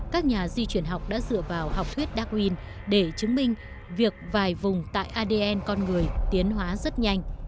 các nhà di chuyển học đã dựa vào học thuyết dockwin để chứng minh việc vài vùng tại adn con người tiến hóa rất nhanh